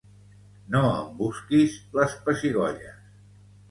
No em busquis les pessigolles